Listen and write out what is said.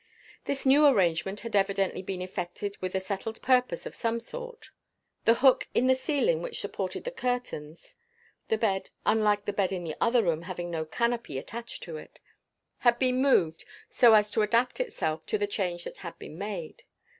This new arrangement had evidently been effected with a settled purpose of some sort. The hook in the ceiling which supported the curtains (the bed, unlike the bed in the other room, having no canopy attached to it) had been moved so as to adapt itself to the change that had been made.